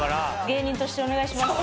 芸人としてお願いします。